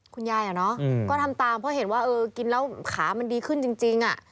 คุณยายเหรอเนาะก็ทำตามเพราะเห็นว่ากินแล้วขามันดีขึ้นจริง